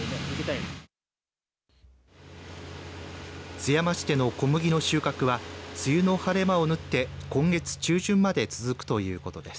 津山市での小麦の収穫は梅雨の晴れ間をぬって今月中旬まで続くということです。